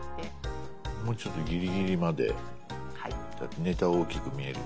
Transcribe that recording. もうちょっとギリギリまでネタを大きく見えるように。